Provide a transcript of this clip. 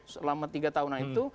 selama tiga tahunan itu